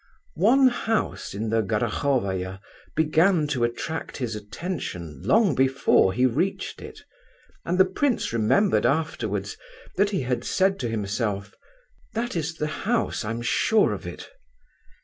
One house in the Gorohovaya began to attract his attention long before he reached it, and the prince remembered afterwards that he had said to himself: "That is the house, I'm sure of it."